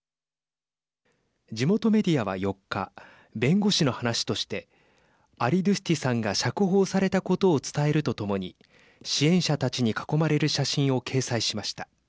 地元メディアは４日弁護士の話としてアリドゥスティさんが釈放されたことを伝えるとともに支援者たちに囲まれる写真を掲載しました。